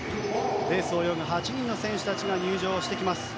レースを泳ぐ８人の選手が入場してきます。